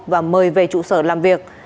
và mời về trụ sở làm việc